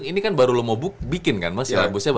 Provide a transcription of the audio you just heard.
ini kan baru lo mau bikin kan mas